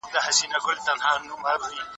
شخصي اسناد باید خوندي وساتل سي.